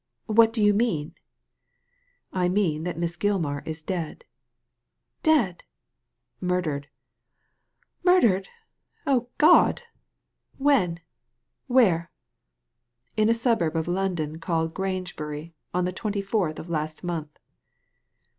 ''What do you mean?" ^ I mean that Miss Gilmar is dead I ••Dead!" ••Murdered." Murdered! Oh, God I When? Where?" •* In a suburb of London called Grangebury on the twenty fourth of last month."